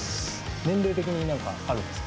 年齢的になんかあるんですか。